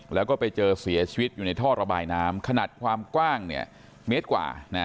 แล้วก็ไปเจอเสียชีวิตอยู่ในท่อระบายน้ำขนาดความกว้างเมตรกว่า